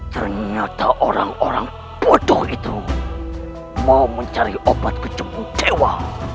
ternyata orang orang bodoh itu mau mencari obat kecembuk tewa